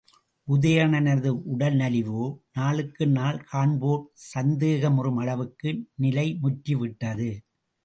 உதயணனது உடல்நலிவோ நாளுக்கு நாள் காண்போர் சந்தேகமுறும் அளவுக்கு நிலைமுற்றிவிட்டது.